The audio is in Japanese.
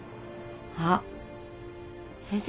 あっ先生